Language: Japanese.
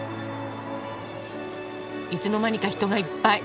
いつの間にか人がいっぱい。